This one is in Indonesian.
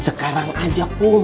sekarang aja kum